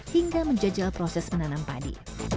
hingga menjajal proses menanam padi